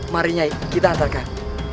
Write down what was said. mari nyai kita antarkan